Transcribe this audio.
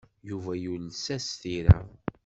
Yuba yules-as tira.